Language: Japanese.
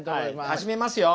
始めますよ。